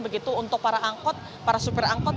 begitu untuk para angkot para supir angkot